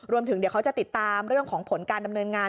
รวมถึงเดี๋ยวเขาจะติดตามเรื่องของผลการดำเนินงาน